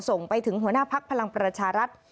ส่งไปถึงหัวหน้าพักพลังประชารัฐ